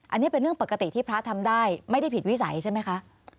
อันนี้เป็นเรื่องปกติที่พระทำได้ไม่ได้ผิดวิสัยใช่ไหมคะ